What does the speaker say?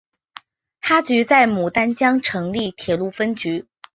哈局在牡丹江成立铁路分局。